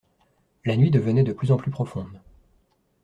La nuit devenait de plus en plus profonde.